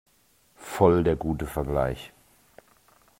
Voll der gute Vergleich!